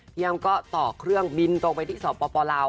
พี่อ้ำก็ต่อเครื่องบินตรงไปที่สปลาว